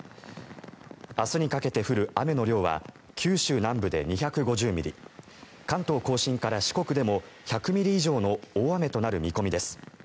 明日にかけて降る雨の量は九州南部で２５０ミリ関東・甲信から四国でも１００ミリ以上の大雨となる見込みです。